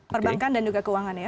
perbankan dan juga keuangan ya